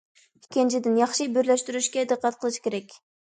ئىككىنچىدىن، ياخشى بىرلەشتۈرۈشكە دىققەت قىلىش كېرەك.